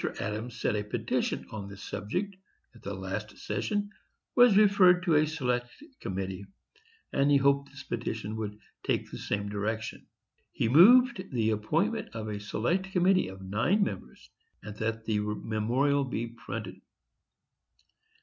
Adams said a petition on this subject at the last session was referred to a select committee, and he hoped this petition would take the same direction. He moved the appointment of a select committee of nine members, and that the memorial be printed.